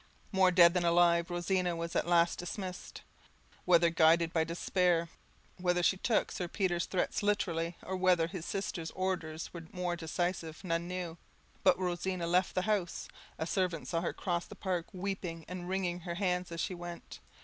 More dead than alive, Rosina was at last dismissed. Whether guided by despair, whether she took Sir Peter's threats literally, or whether his sister's orders were more decisive, none knew, but Rosina left the house; a servant saw her cross the park, weeping, and wringing her hands as she went.